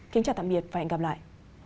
kính chào tạm biệt và hẹn gặp lại